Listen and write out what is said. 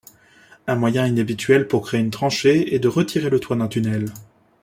Un moyen inhabituel pour créer une tranchée est de retirer le toit d'un tunnel.